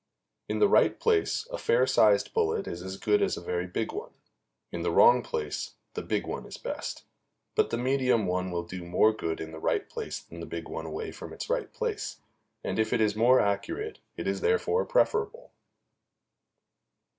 In the right place, a fair sized bullet is as good as a very big one; in the wrong place, the big one is best; but the medium one will do more good in the right place than the big one away from its right place; and if it is more accurate it is therefore preferable.